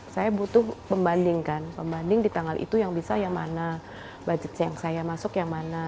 saya butuh pembanding kan pembanding di tanggal itu yang bisa yang mana budget yang saya masuk yang mana